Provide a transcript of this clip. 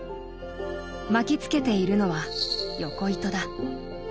巻きつけているのは緯糸だ。